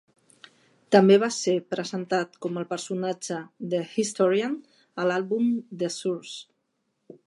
També va ser presentat com al personatge "The Historian" a l'àlbum "The Source".